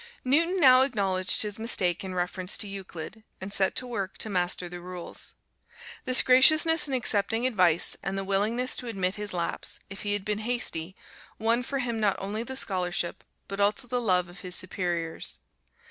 Newton now acknowledged his mistake in reference to Euclid, and set to work to master the rules. This graciousness in accepting advice, and the willingness to admit his lapse, if he had been hasty, won for him not only the scholarship, but also the love of his superiors.